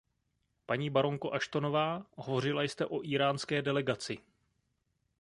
Paní baronko Ashtonová, hovořila jste o íránské delegaci.